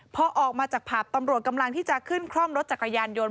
พอออกมาจากผับตำรวจกำลังที่จะขึ้นคล่อมรถจักรยานยนต์